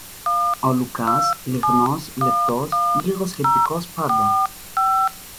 Ο Λουκάς, λιγνός, λεπτός, λίγο σκεπτικός πάντα